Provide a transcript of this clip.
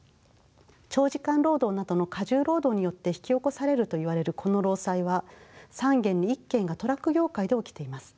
長時間労働などの過重労働によって引き起こされるといわれるこの労災は３件に１件がトラック業界で起きています。